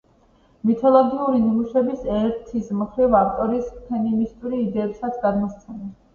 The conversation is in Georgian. მითოლოგიური ნიმუშები ერთის მხრივ ავტორის ფემინისტურ იდეებსაც გადმოსცემენ.